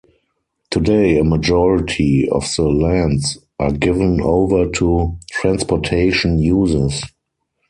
Today, a majority of the lands are given over to transportation uses.